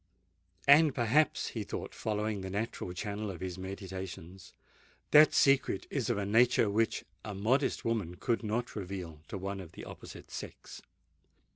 And perhaps," he thought, following the natural channel of his meditations, "that secret is of a nature which a modest woman could not reveal to one of the opposite sex?"